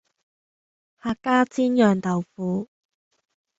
客家煎釀豆腐